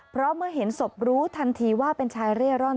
เพราะเมื่อเห็นศพรู้ทันทีว่าเป็นชายเร่ร่อน